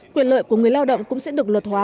quyền lợi của người lao động cũng sẽ được luật hóa